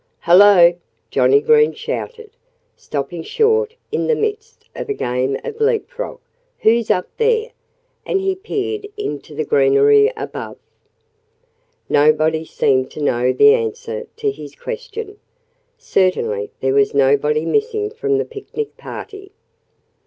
"Hullo!" Johnnie Green shouted, stopping short in the midst of a game of leapfrog. "Who's up there?" And he peered into the greenery above. Nobody seemed to know the answer to his question. Certainly there was nobody missing from the picnic party.